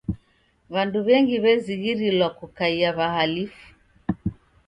W'andu w'engi w'ezighirilwa kukaia w'ahalifu.